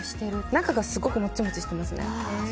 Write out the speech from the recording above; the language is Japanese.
中がすごくモチモチしてますね。